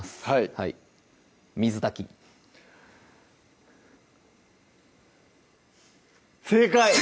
はい水炊き正解！